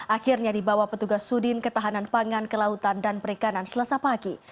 akhirnya dibawa petugas sudin ketahanan pangan kelautan dan perikanan selasa pagi